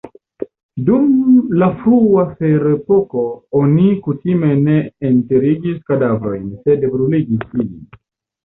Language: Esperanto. Dum la frua ferepoko oni kutime ne enterigis kadavrojn, sed bruligis ilin.